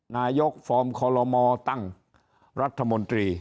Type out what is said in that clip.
นายกฟอร์มคอลโลมตั้งรัฐมนตรี